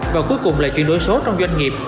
và cuối cùng là chuyển đổi số trong doanh nghiệp